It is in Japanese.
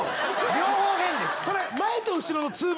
両方変です。